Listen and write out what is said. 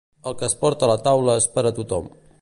El que es porta a la taula és per a tothom.